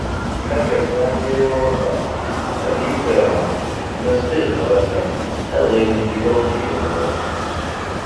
Ma kerseɣ anyir-iw ɣer-sent ad iyi-kerhent, ma sqizzbeɣ-asent ad ɣillent yella wacu i bɣiɣ.